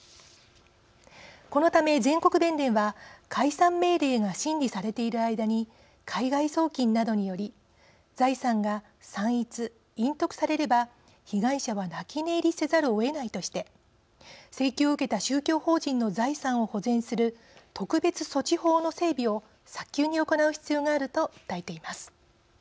このため全国弁連は解散命令が審理されている間に海外送金などにより財産が散逸・隠匿されれば被害者は泣き寝入りせざるをえないとして請求を受けた宗教法人の財産を保全する特別措置法の整備を早急に行う必要があると訴えています。